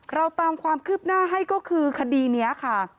เราตามความคืบหน้าให้ก็คือคดีนี้ค่ะ